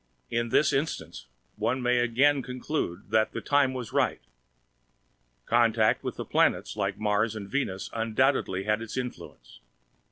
In this instance, one may again conclude that "the time was right." Contact with planets like Mars and Venus undoubtedly had its influence.